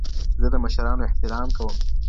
زه د مشرانو احترام کوم.